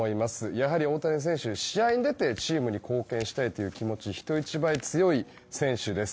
やはり大谷選手、試合に出てチームに貢献したいという気持ちが人一倍強い選手です。